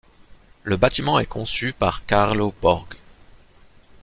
Le bâtiment est conçu par Kaarlo Borg.